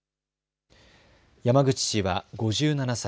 山口氏は５７歳。